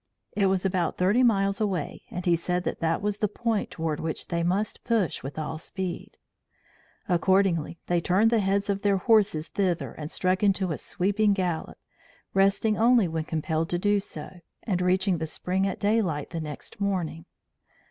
It was about thirty miles away and he said that that was the point toward which they must push with all speed. Accordingly they turned the heads of their horses thither and struck into a sweeping gallop, resting only when compelled to do so, and reaching the spring at daylight the next morning.